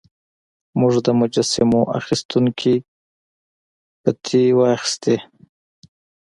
موږ د مجسمو اخیستونکو پتې واخیستې.